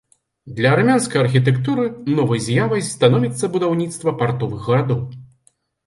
Для армянскай архітэктуры новай з'явай становіцца будаўніцтва партовых гарадоў.